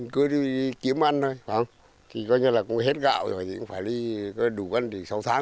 cứ đi kiếm ăn thôi coi như là hết gạo rồi phải đi đủ ăn thì sáu tháng thôi